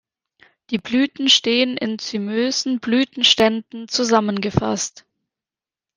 Die Blüten stehen in zymösen Blütenständen zusammengefasst.